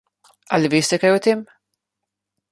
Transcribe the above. Ali veste kaj o tem?